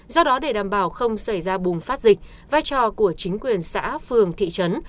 do đó để đảm bảo không xảy ra bùng phát dịch vai trò của chính quyền xã phường thị trấn